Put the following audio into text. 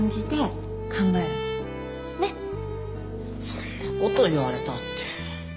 そんなこと言われたって。